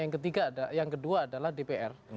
yang ketiga yang kedua adalah dpr